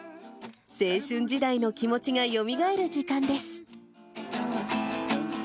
青春時代の気持ちがよみがえる時間です。